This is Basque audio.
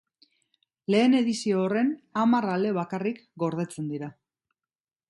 Lehen edizio horren hamar ale bakarrik gordetzen dira.